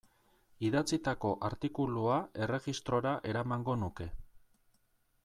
Idatzitako artikulua erregistrora eramango nuke.